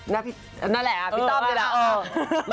นั่นแหละพี่ต้อมนี่แหละ